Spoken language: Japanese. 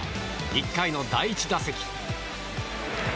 １回の第１打席。